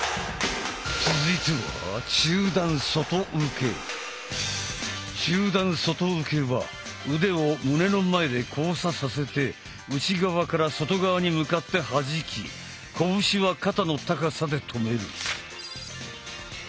中段外受けは腕を胸の前で交差させて内側から外側に向かって弾き拳は肩の高さで止める。